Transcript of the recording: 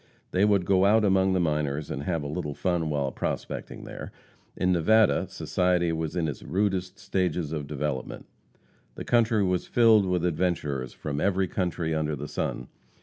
They would go out among the miners and have a little fun while prospecting there. In Nevada, society was in its rudest stages of development. The country was filled with adventurers from every country under the sun.